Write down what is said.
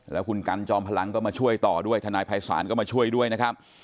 แล้วคุณกันจอมพลังก็มาช่วยต่อด้วยทนายภัยศาลก็มาช่วยด้วยนะครับ